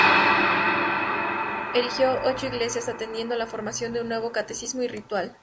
Erigió ocho iglesias y atendió a la formación de un nuevo Catecismo y Ritual.